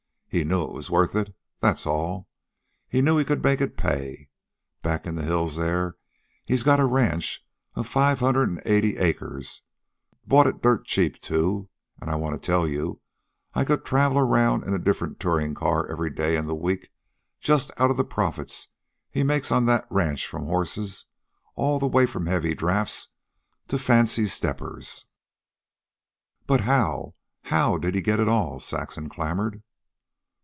He knew it was worth it, that's all. He knew he could make it pay. Back in the hills, there, he's got a ranch of five hundred an' eighty acres, bought it dirt cheap, too; an' I want to tell you I could travel around in a different tourin' car every day in the week just outa the profits he makes on that ranch from the horses all the way from heavy draughts to fancy steppers. "But how? how? how did he get it all?" Saxon clamored.